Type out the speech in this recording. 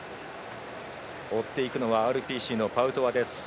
追っていくのはＲＰＣのパウトワです。